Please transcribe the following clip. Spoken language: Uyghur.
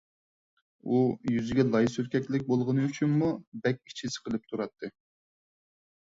ئۇ يۈزىگە لاي سۈركەكلىك بولغىنى ئۈچۈنمۇ بەك ئىچى سىقىلىپ تۇراتتى.